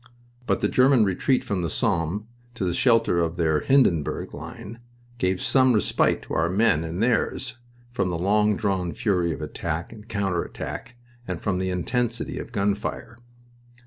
But the German retreat from the Somme to the shelter of their Hindenburg line gave some respite to our men, and theirs, from the long drawn fury of attack and counter attack, and from the intensity of gun fire.